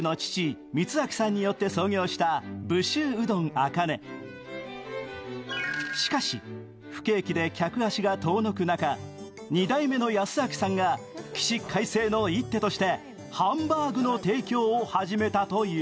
だが、なぜハンバーグを始めたのかしかし、不景気で客足が遠のく中２代目の康明さんか起死回生の一手としてハンバーグの提供を始めたという。